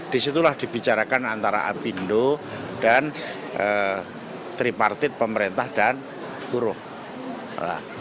disitulah dibicarakan antara apindo dan tripartit pemerintah dan buruh